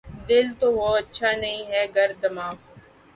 دل تو ہو‘ اچھا‘ نہیں ہے گر دماغ